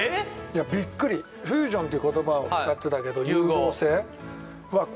いやびっくり「フュージョン」って言葉を使ってたけど融合性融合